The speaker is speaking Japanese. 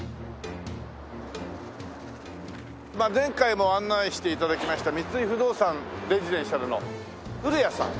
前回も案内して頂きました三井不動産レジデンシャルの古谷さん。